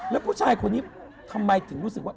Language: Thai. แล้วผู้ชายคนนี้ทำไมถึงรู้สึกว่า